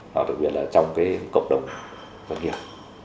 hoặc đặc biệt là trong cái cộng đồng vận nghiệp